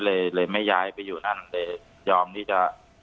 เลยเลยไม่ย้ายไปอยู่นั่นเลยยอมที่จะ